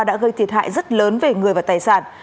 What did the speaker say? đã gây thiệt hại rất lớn về người và tài sản